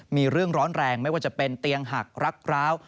มีเรื่องร้อนแรงไม่ว่าจะเป็นเตียงหักรักร้าว